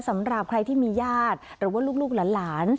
สำหรับใครที่มีญาติหรือว่าลูกหลาน